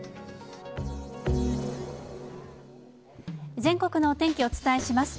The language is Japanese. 全国のお天気をお伝えします。